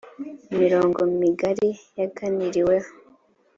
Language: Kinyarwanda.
imirongo migari yaganiriweho